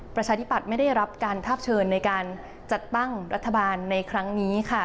ประชาธิปัตย์ไม่ได้รับการทาบเชิญในการจัดตั้งรัฐบาลในครั้งนี้ค่ะ